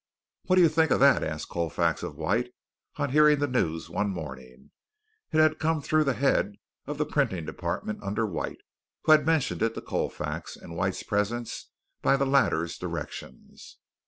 "What do you think of that?" asked Colfax of White, on hearing the news one morning. It had come through the head of the printing department under White, who had mentioned it to Colfax in White's presence by the latter's directions.